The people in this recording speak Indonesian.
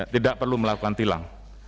tidak perlu melakukan tilang